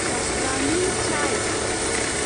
زعفراني چای